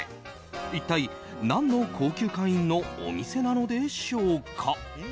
一体、何の高級会員のお店なのでしょうか。